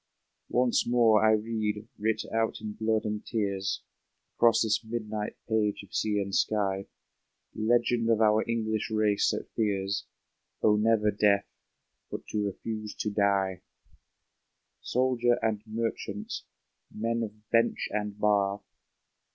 Once more I read, writ out in blood and tears, Across this midnight page of sea and sky, The legend of our English race that fears, never death, but to refuse to die ! Soldier and merchant, men of bench and bar.